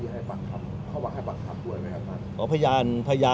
หมอบรรยาหมอบรรยาหมอบรรยา